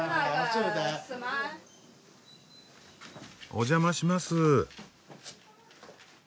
お邪魔します。